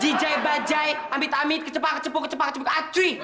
jijai bajai ambit amit kecepak kecepuk kecepak kecepuk acuy